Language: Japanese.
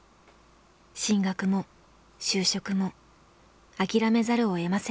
進学も就職も諦めざるをえませんでした。